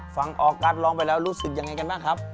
ออกัสร้องไปแล้วรู้สึกยังไงกันบ้างครับ